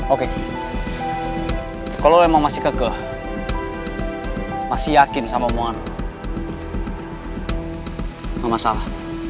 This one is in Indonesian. oke kalo emang masih kekeuh masih yakin sama moan lo ga masalah